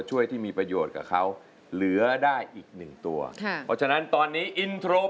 จะใช้หรือไม่ใช้